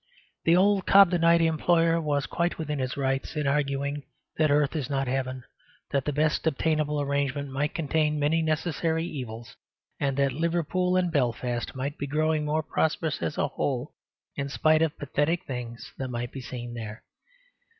The old Cobdenite employer was quite within his rights in arguing that earth is not heaven, that the best obtainable arrangement might contain many necessary evils; and that Liverpool and Belfast might be growing more prosperous as a whole in spite of pathetic things that might be seen there.